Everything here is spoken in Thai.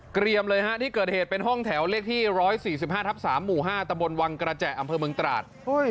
เรียมเลยฮะที่เกิดเหตุเป็นห้องแถวเลขที่๑๔๕ทับ๓หมู่๕ตะบนวังกระแจอำเภอเมืองตราด